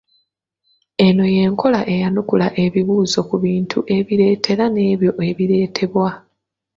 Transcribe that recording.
Eno y’enkola ey’anukula ebibuuzo ku bintu ebireetera n’ebyo ebireetebwa.